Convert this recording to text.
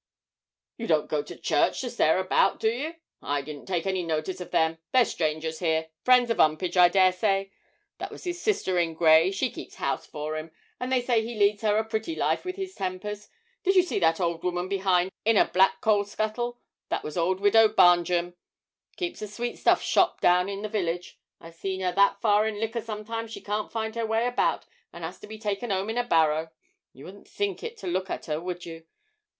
'You don't go to church to stare about you, do you? I didn't take any notice of them; they're strangers here friends of 'Umpage, I daresay. That was his sister in grey; she keeps house for him, and they say he leads her a pretty life with his tempers. Did you see that old woman behind in a black coalscuttle? That was old widow Barnjum; keeps a sweetstuff shop down in the village. I've seen her that far in liquor sometimes she can't find her way about and 'as to be taken 'ome in a barrow. You wouldn't think it to look at her, would you?